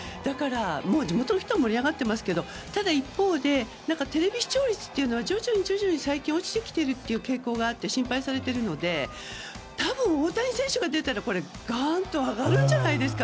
地元の人が盛り上がっていますけどただ一方でテレビ視聴率は徐々に最近、落ちてきてるという傾向があって心配されているので多分、大谷選手が出たらガンと上がるんじゃないですか。